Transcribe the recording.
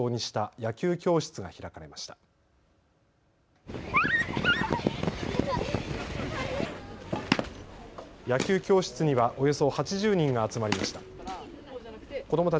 野球教室にはおよそ８０人が集まりました。